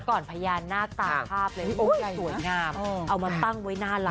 ก่อนพญานาคตาภาพเลยสวยงามเอามันปั้งไว้น่ารัก